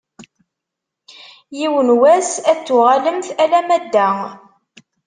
Yiwen n wass ad d-tuɣalemt alamma d da.